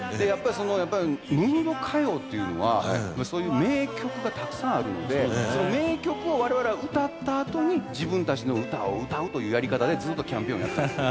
やっぱりムード歌謡というのはそういう名曲がたくさんあるのでその名曲を我々は歌ったあとに自分たちの歌を歌うというやり方でずっとキャンペーンをやってます。